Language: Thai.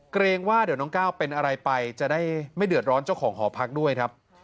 เกรงว่าเดี๋ยวน้องก้าวเป็นอะไรไปจะได้ไม่เดือดร้อนเจ้าของหอพักด้วยครับ